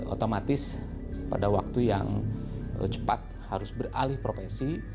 otomatis pada waktu yang cepat harus beralih profesi